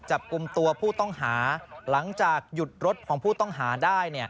จับกลุ่มตัวผู้ต้องหาหลังจากหยุดรถของผู้ต้องหาได้